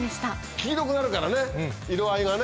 黄色くなるからね色合いがね。